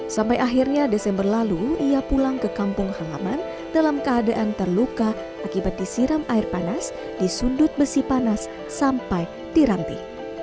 sampai akhirnya desember lalu ia pulang ke kampung halaman dalam keadaan terluka akibat disiram air panas di sundut besi panas sampai diranti